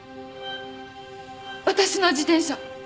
私の自転車。